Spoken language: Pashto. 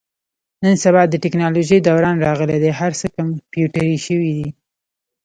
نن سبا د تکنالوژۍ دوران راغلی دی. هر څه کمپیوټري شوي دي.